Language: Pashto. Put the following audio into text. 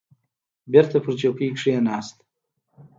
بېرته پر چوکۍ کښېناست.